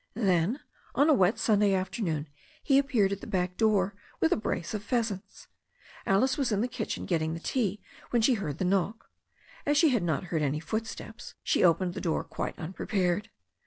Then, on a wet Sunday afternoon, he appeared at the back door with a brace of pheasants. Alice was in the kitchen getting the tea when sl^^e heard the knock. As she had not heard any footsteps, she opened the door quite unprepared.